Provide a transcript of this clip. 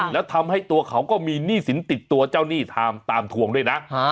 แล้วทำให้ตัวเขาก็มีหนี้สินติดตัวเจ้าหนี้ตามทวงด้วยนะ